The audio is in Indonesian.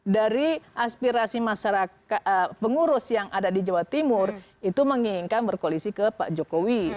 dari aspirasi pengurus yang ada di jawa timur itu menginginkan berkoalisi ke pak jokowi